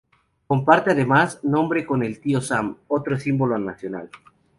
Comparte además nombre con el Tío Sam, otro símbolo nacional.